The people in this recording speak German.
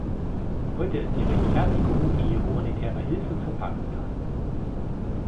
Heute ist die Rechtfertigung die humanitäre Hilfe für Pakistan.